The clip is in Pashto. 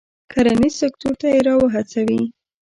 کرنیز سکتور ته یې را و هڅوي.